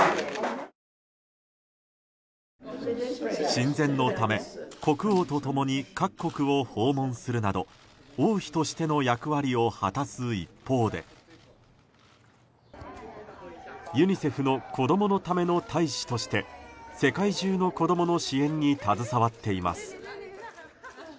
親善のため、国王と共に各国を訪問するなど王妃としての役割を果たす一方でユニセフの子どものための大使として世界中の子供の支援に携わっています。